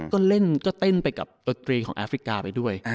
ก็เล่นก็เต้นไปกับดนตรีของแอฟริกาไปด้วย